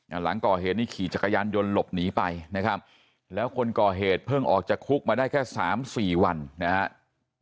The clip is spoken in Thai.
หลังก่อเหตุนี่ขี่จักรยานยนต์หลบหนีไปนะครับแล้วคนก่อเหตุเพิ่งออกจากคุกมาได้แค่สามสี่วันนะครับ